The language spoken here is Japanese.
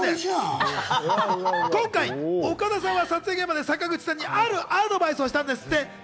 今回、岡田さんは撮影現場で坂口さんにあるアドバイスをしたんですって。